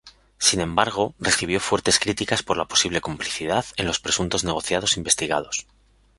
Sin embargo, recibió fuertes críticas por la posible complicidad en los presuntos negociados investigados.